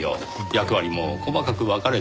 役割も細かく分かれています。